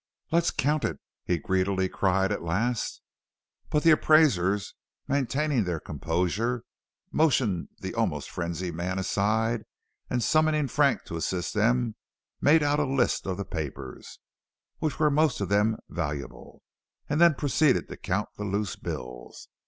"Let's count it!" he greedily cried, at last. But the Appraisers, maintaining their composure, motioned the almost frenzied man aside, and summoning Frank to assist them, made out a list of the papers, which were most of them valuable, and then proceeded to count the loose bills.